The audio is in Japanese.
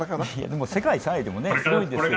でも世界３位でも大変なことですよ。